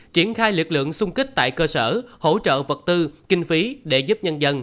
triển khai lực lượng xung kích tại cơ sở hỗ trợ vật tư kinh phí để giúp nhân dân